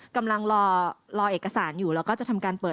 กำลังรอเอกสารอยู่แล้วก็จะทำการเปิด